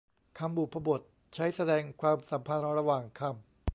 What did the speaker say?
คำบุพบท ใช้แสดงความสำพันธ์ระหว่างคำ